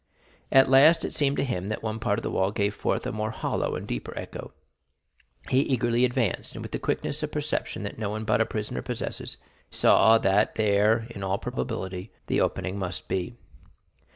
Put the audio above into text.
At last it seemed to him that one part of the wall gave forth a more hollow and deeper echo; he eagerly advanced, and with the quickness of perception that no one but a prisoner possesses, saw that there, in all probability, the opening must be.